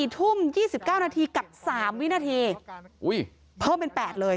๔ทุ่ม๒๙นาทีกับ๓วินาทีเพิ่มเป็น๘เลย